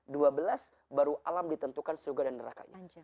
dua belas baru alam ditentukan surga dan nerakanya